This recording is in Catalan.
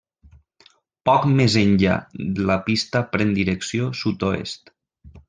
Poc més enllà la pista pren direcció sud-oest.